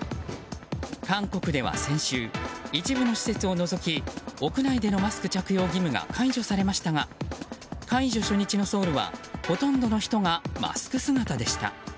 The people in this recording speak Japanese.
韓国では先週、一部の施設を除き屋内でのマスク着用義務が解除されましたが解除初日のソウルはほとんどの人がマスク姿でした。